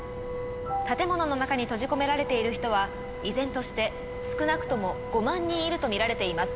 建物の中に閉じ込められている人は依然として少なくとも５万人いると見られています。